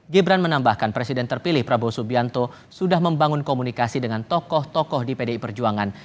gibran menambahkan presiden terpilih prabowo subianto sudah membangun komunikasi dengan tokoh tokoh di pdi perjuangan